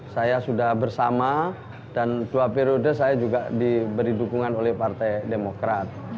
saya sudah bersama dan dua periode saya juga diberi dukungan oleh partai demokrat